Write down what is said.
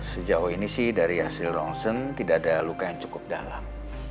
sejauh ini sih dari hasil ronsen tidak ada luka yang cukup dalam